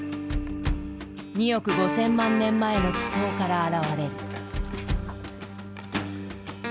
２億５，０００万年前の地層から現れる。